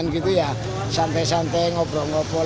kalau ada orang makan berbual dikubur